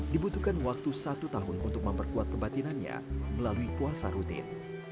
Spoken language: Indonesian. dibutuhkan waktu satu tahun untuk memperkuat kebatinannya melalui puasa rutin